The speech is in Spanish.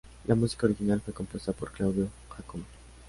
La música original fue compuesta por Claudio Jácome.